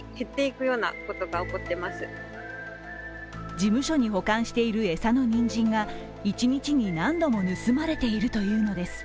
事務所に保管している餌のにんじんが一日に何度も盗まれているというのです。